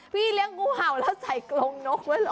เลี้ยงงูเห่าแล้วใส่กรงนกไว้เหรอ